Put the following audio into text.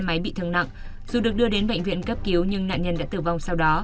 xe máy bị thương nặng dù được đưa đến bệnh viện cấp cứu nhưng nạn nhân đã tử vong sau đó